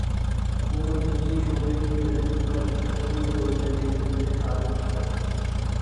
حکومت نجی شعبے کی ترقی پر بھرپور توجہ دے رہی ہے ہارون اختر